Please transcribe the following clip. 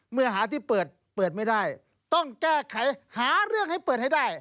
เมื่อหาที่เปิดเปิดไม่ได้ต้องแก้ไขหาเรื่องให้เปิดให้ได้